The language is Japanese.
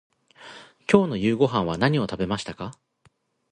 今日の夕ごはんは何を食べましたか。